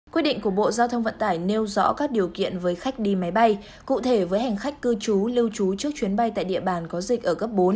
quyết định của bộ giao thông vận tải nêu rõ các điều kiện với khách đi máy bay cụ thể với hành khách cư trú lưu trú trước chuyến bay tại địa bàn có dịch ở cấp bốn